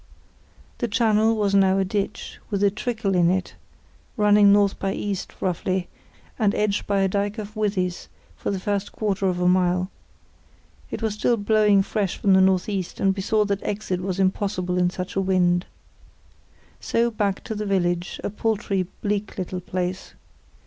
The channel was now a ditch, with a trickle in it, running north by east, roughly, and edged by a dyke of withies for the first quarter of a mile. It was still blowing fresh from the north east, and we saw that exit was impossible in such a wind. So back to the village, a paltry, bleak little place.